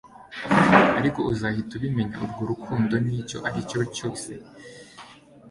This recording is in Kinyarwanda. Ariko uzahita ubimenya urwo rukundo nicyo aricyo cyose